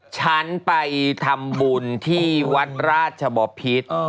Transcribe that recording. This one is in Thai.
ฉันไปทำบุญที่วัดราชบพิษ